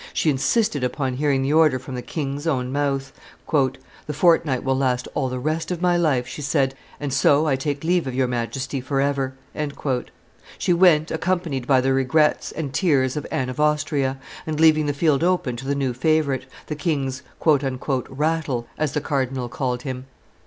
She insisted upon hearing the order from the king's own mouth. "The fortnight will last all the rest of my life," she said: "and so I take leave of your Majesty forever." She went accompanied by the regrets and tears of Anne of Austria, and leaving the field open to the new favorite, the king's "rattle," as the cardinal called him.